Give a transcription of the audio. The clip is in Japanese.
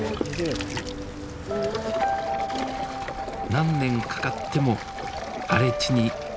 何年かかっても荒れ地に実りを。